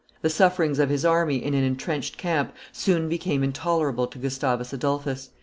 The sufferings of his army in an intrenched camp soon became intolerable to Gustavus Adolphus.